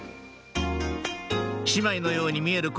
姉妹のように見える